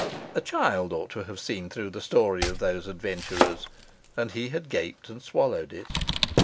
A child ought to have seen through the story of these adventurers, and he had gaped and swallowed it.